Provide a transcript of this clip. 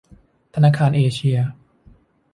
ธนาคารเอเชีย